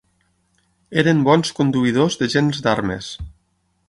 Eren bons conduïdors de gents d'armes.